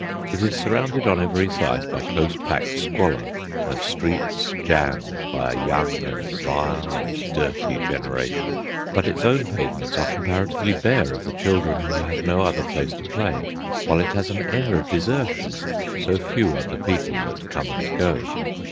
It is surrounded on every side by close packed squalor and streets jammed by a young and vile and dirty generation; but its own pavements are comparatively bare of the children who have no other place to play, while it has an air of desertion, so few are the people that come and go.